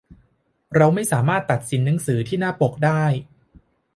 เราไม่สามารถตัดสินหนังสือที่หน้าปกได้